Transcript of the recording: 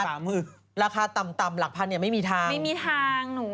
ราคาต่ำต่ำหลักพันเนี่ยไม่มีทางไม่มีทางหนู